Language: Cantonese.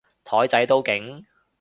台仔都勁？